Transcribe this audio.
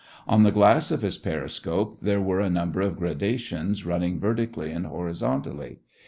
On the glass of this periscope, there were a number of graduations running vertically and horizontally.